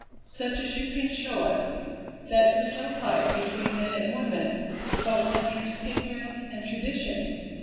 Such as you can show us that 'tis no fight between men and women, but one against ignorance and tradition.